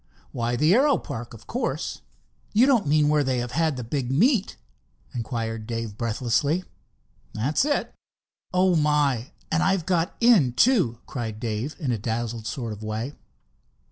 "Why, the aero park, of course." "You don't mean where they have had the big meet?" inquired Dave breathlessly. "That's it." "Oh, my—and I've got in, too!" cried Dave in a dazzled sort of way.